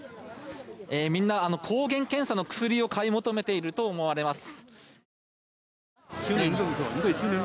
みんな、抗原検査の薬を買い求めていると思われます。